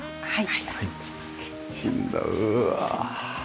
はい。